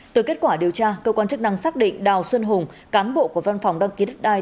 từ kết quả điều tra cơ quan chức năng xác định đào xuân hùng cán bộ của văn phòng đăng ký đất đai